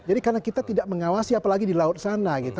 jadi karena kita tidak mengawasi apalagi di laut sana gitu